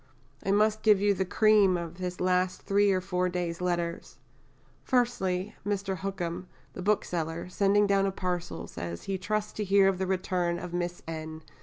I must give you the cream of this last three or four days' letters. Firstly, Mr. Hookham, the bookseller, sending down a parcel, says he "trusts to hear of the return of Miss N.